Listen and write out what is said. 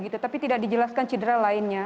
tapi tidak dijelaskan cedera lainnya